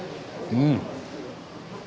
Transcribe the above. うん！